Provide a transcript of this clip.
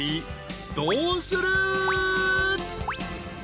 どうする？］